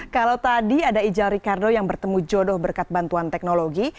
kalau tadi ada ijal ricardo yang bertemu jodoh berkat bantuan teknologi